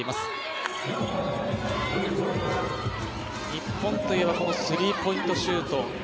日本といえばスリーポイントシュート。